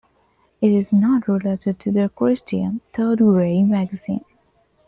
It is not related to the Christian "Third Way" magazine.